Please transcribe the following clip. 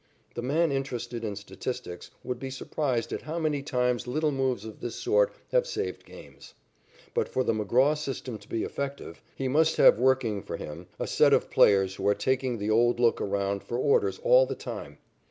The man interested in statistics would be surprised at how many times little moves of this sort have saved games. But for the McGraw system to be effective, he must have working for him a set of players who are taking the old look around for orders all the time.